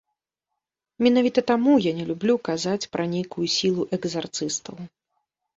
Менавіта таму я не люблю казаць пра нейкую сілу экзарцыстаў.